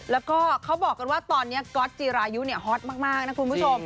แล้วก็เขาบอกกันว่าตอนนี้ก๊อตจีรายุเนี่ยฮอตมากนะคุณผู้ชม